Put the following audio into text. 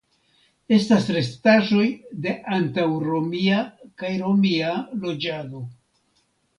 Estas restaĵoj de antaŭromia kaj romia loĝado.